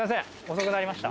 遅くなりました。